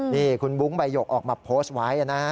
นี่คุณบุ๊คใบหยกออกมาโพสต์ไว้นะฮะ